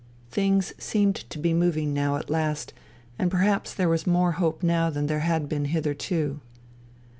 Things seemed to be moving now at last, and perhaps there was more hope now than there had been hitherto.